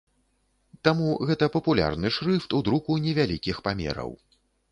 Таму гэта папулярны шрыфт у друку невялікіх памераў.